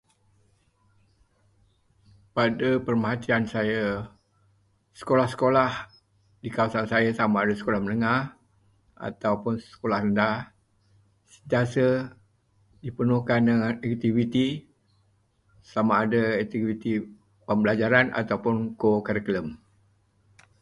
Pada pemerhatian saya, sekolah-sekolah di kawasan saya, sama ada sekolah menengah ataupun sekolah rendah, sentiasa dipenuhkan dengan aktiviti sama ada aktiviti pembelajaran ataupun kokurikulum.